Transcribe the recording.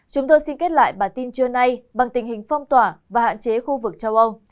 chúng tôi xin kết lại bản tin trưa nay bằng tình hình phong tỏa và hạn chế khu vực châu âu